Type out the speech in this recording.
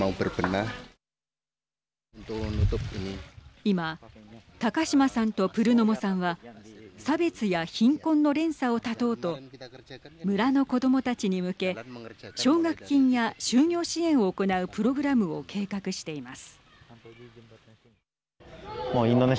今、高島さんとプルノモさんは差別や貧困の連鎖を断とうと村の子どもたちに向け奨学金や就業支援を行うプログラムを計画しています。